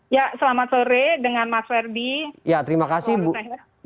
ya selamat sore dengan mas ferdi